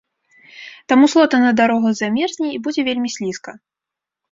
Таму слота на дарогах замерзне і будзе вельмі слізка.